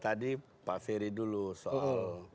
tadi pak ferry dulu soal